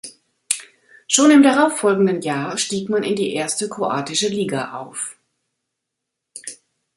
Schon im darauffolgenden Jahr stieg man in die erste kroatische Liga auf.